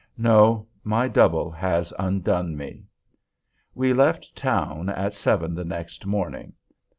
No! My double has undone me. We left town at seven the next morning.